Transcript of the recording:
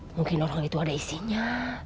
mungkin orang itu ada isinya